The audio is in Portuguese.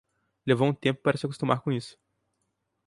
Levou um tempo para se acostumar com isso.